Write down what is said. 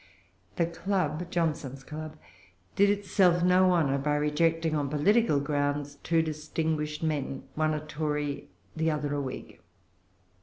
The Club, Johnson's Club, did itself no honor by rejecting on political grounds two distinguished men, one a Tory, the other a Whig.